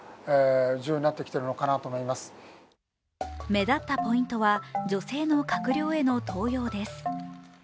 目立ったポイントは、女性の閣僚への登用です。